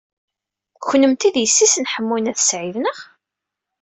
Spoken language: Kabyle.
Kunemti d yessi-s n Ḥemmu n At Sɛid, naɣ?